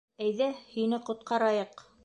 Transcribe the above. Әйҙә, һине ҡотҡарайыҡ.